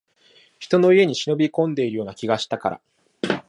人の家に忍び込んでいるような気がしたから